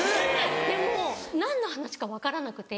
でも何の話か分からなくて。